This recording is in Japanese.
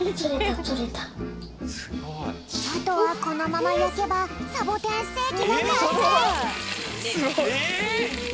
あとはこのままやけばサボテンステーキのかんせい！